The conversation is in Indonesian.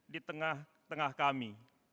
di tengah tengah kami